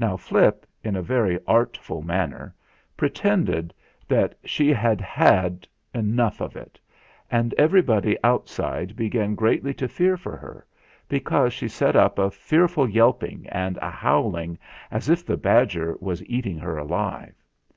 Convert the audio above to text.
Now Flip, in a very artful manner, pretended that she had had enough of it, and everybody outside began greatly to fear for her, because she set up a fearful yelping and a howling as if the badger was eating her alive.